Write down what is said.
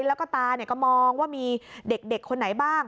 แล้วก็ตาก็มองว่ามีเด็กคนไหนบ้าง